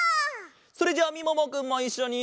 それじゃあみももくんもいっしょに。